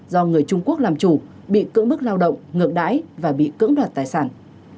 do người trung quốc làm chủ bị cưỡng bức lao động ngược đáy và bị cưỡng đoạt tài sản